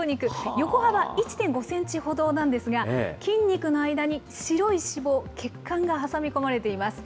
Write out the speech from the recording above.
横幅１．５センチほどなんですが、筋肉の間に白い脂肪、血管が挟み込まれています。